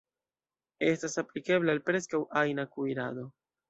Estas aplikebla al preskaŭ ajna kuirado.